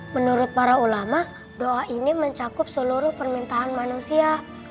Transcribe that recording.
menurut para ulama doa ini mencakup seluruh permintaan manusia